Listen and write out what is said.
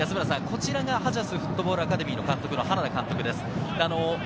ハジャスフットボールアカデミーの花田監督です。